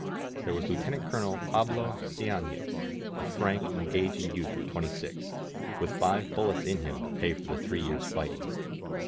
There was Lieutenant Colonel Pablo Seanes, a frank, engaging youth of twenty six, with five bullets in him to pay for the three years' fighting.